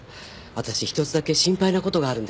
私１つだけ心配なことがあるんです